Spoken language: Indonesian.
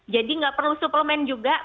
jadi tidak perlu suplemen juga